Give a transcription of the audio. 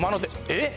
えっ？